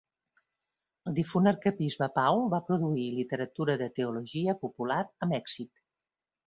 El difunt arquebisbe Pau va produir literatura de teologia popular amb èxit.